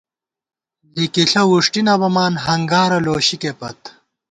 لِکِݪہ وُݭٹی نہ بَمان، ہنگارہ لُوشِکے پت